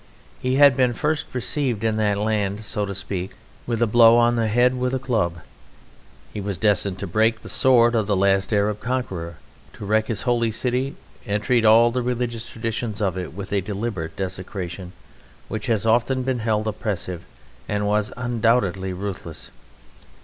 He had been first received in that land, so to speak, with a blow on the head with a club; he was destined to break the sword of the last Arab conqueror, to wreck his holy city and treat all the religious traditions of it with a deliberate desecration which has often been held oppressive and was undoubtedly ruthless.